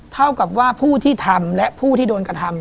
เท่ากับว่าผู้ที่ทำและผู้ที่โดนกระทำ